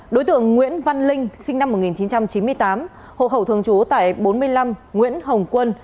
đối tượng nguyễn văn linh sinh năm một nghìn chín trăm chín mươi tám hộ khẩu thường trú tại bốn mươi năm nguyễn hồng quân